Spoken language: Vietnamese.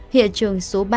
hiện trường số ba